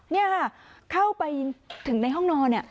นี่ค่ะเข้าไปถึงในห้องนอน